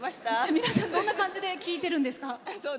皆さん、どんな感じで聴いてるんですか？